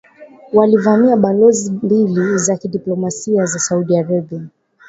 walivamia balozi mbili za kidiplomasia za Saudi Arabia